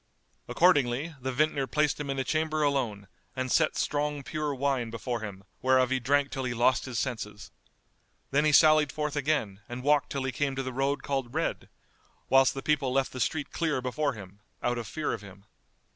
Accordingly, the vintner placed him in a chamber alone and set strong pure wine before him whereof he drank till he lost his senses. Then he sallied forth again and walked till he came to the road called Red, whilst the people left the street clear before him, out of fear of him.